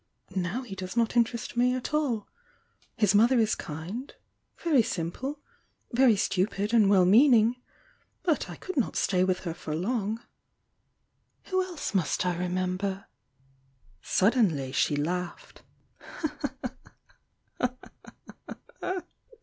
Now he does not interest me at all. His mother is kind, — very simple— very stupid and well meaning — but I could not stay wiUi her for long. Who else must I remember?" Suddenly she laufhed.